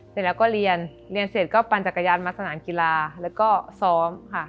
เสร็จแล้วก็เรียนเรียนเสร็จก็ปั่นจักรยานมาสนามกีฬาแล้วก็ซ้อมค่ะ